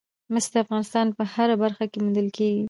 مس د افغانستان په هره برخه کې موندل کېږي.